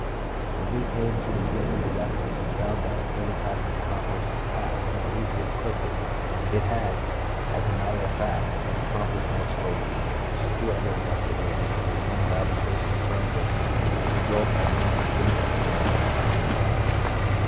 When he came to examine the records he found that instead of having accomplished his task more easily and quickly, it had, as a matter 7 98 PSYCHOLOGY OF ALCOHOLISM. of fact, been accomplished more slowly. Two other investigators in the same laboratory confirmed this result by means of similar experiments on themselves.